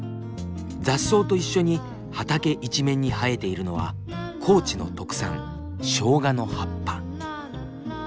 雑草と一緒に畑一面に生えているのは高知の特産しょうがの葉っぱ。